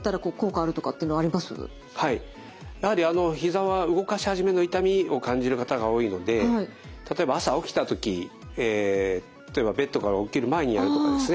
やはりひざは動かし始めの痛みを感じる方が多いので例えば朝起きた時例えばベッドから起きる前にやるとかですね